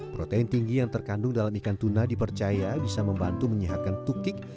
protein tinggi yang terkandung dalam ikan tuna dipercaya bisa membantu menyehatkan tukik